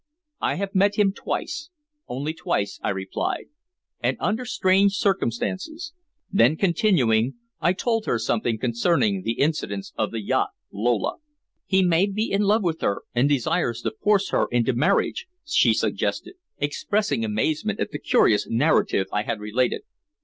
"I have met him twice only twice," I replied, "and under strange circumstances." Then, continuing, I told her something concerning the incidents of the yacht Lola. "He may be in love with her, and desires to force her into marriage," she suggested, expressing amazement at the curious narrative I had related.